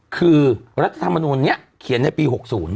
คือรัฐธรรมนูลนี้เขียนในปี๖๐